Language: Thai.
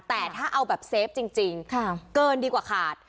แต่ถ้าเอาแบบเซฟจริงเกินดีกว่าขาด